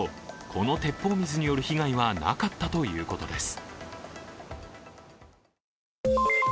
この鉄砲水による被害はなかったということです。